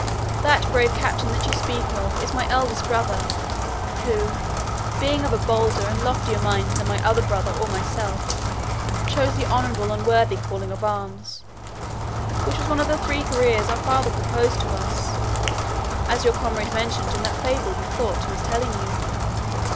That brave captain that you speak of is my eldest brother, who, being of a bolder and loftier mind than my other brother or myself, chose the honourable and worthy calling of arms, which was one of the three careers our father proposed to us, as your comrade mentioned in that fable you thought he was telling you.